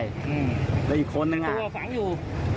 อยู่ตัวฝังอยู่